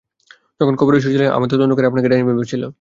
যখন কবরে শুয়েছিলেন, আমার তদন্তকারীরা আপনাকে ডাইনি ভেবেছিলো।